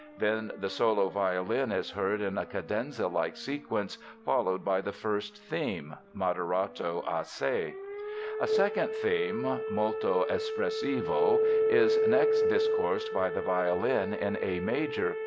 Then the solo violin is heard in a cadenza like sequence followed by the first theme (Moderato assai). A second theme, Molto espressivo, is next discoursed by the violin in A major.